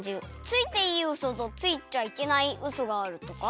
ついていいウソとついちゃいけないウソがあるとか。